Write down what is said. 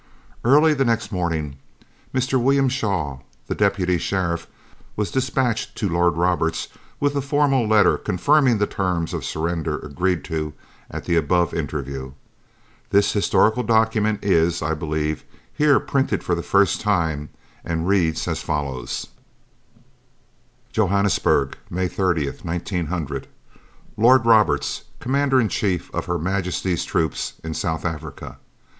Early the next morning Mr. William Shawe, the Deputy Sheriff, was dispatched to Lord Roberts, with a formal letter, confirming the terms of surrender agreed to at the above interview. This historical document is, I believe, here printed for the first time and reads as follows: "JOHANNESBURG, "May 30th, 1900. "Lord Roberts, "Commander in Chief of Her "Majesty's troops in South Africa.